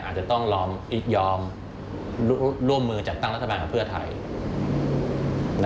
อาจจะต้องยอมร่วมมือจัดตั้งรัฐบาลกับเพื่อไทย